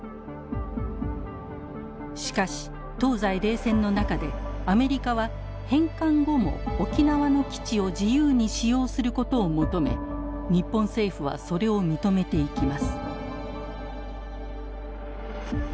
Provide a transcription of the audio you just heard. しかし東西冷戦の中でアメリカは返還後も沖縄の基地を自由に使用することを求め日本政府はそれを認めていきます。